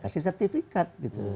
kita kasih sertifikat